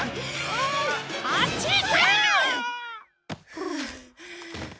ふう。